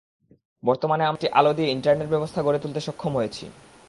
বর্তমানে আমরা একটি আলো দিয়ে ইন্টারনেট ব্যবস্থা গড়ে তুলতে সক্ষম হয়েছি।